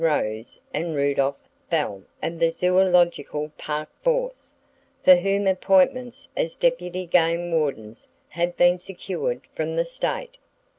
Rose and Rudolph Bell of the Zoological Park force, for whom appointments as deputy game wardens had been secured from the State.